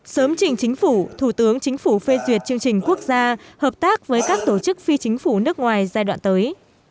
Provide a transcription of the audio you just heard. sớm trình chính phủ thủ tướng chính phủ phê duyệt chương trình quốc gia hợp tác với các tổ chức phi chính phủ nước ngoài giai đoạn tới